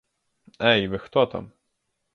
Ей ви, хто там?!